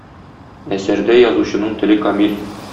Әсәрдә язучының теле камил!